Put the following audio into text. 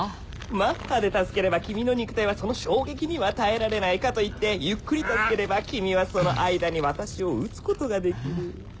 マッハで助ければ君の肉体はその衝撃には耐えられないかと言ってゆっくり助ければ君はその間に私を撃つことができる